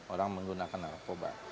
orang menggunakan narkoba